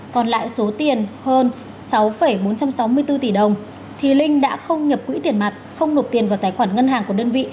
còn lại số tiền hơn sáu bốn trăm sáu mươi bốn tỷ đồng thì linh đã không nhập quỹ tiền mặt không nộp tiền vào tài khoản ngân hàng của đơn vị